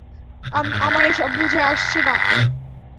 আমার এসব বুঝে আসছে না।